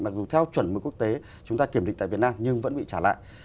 mặc dù theo chuẩn mực quốc tế chúng ta kiểm định tại việt nam nhưng vẫn bị trả lại